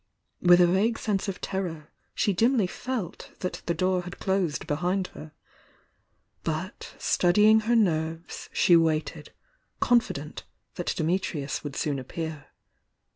With a vague sense of terror she dimly felt that the door had closed behind her, — but steadying her nerves she waited, confident that Dimitrius would soon appear.